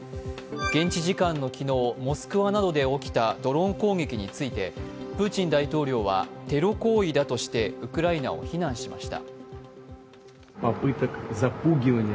現地時間の昨日、モスクワなどで起きたドローン攻撃についてプーチン大統領はテロ行為だとしてウクライナを非難しました。